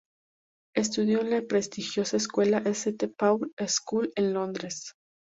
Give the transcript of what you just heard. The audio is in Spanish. Estudió en la prestigiosa escuela St Paul's School en Londres.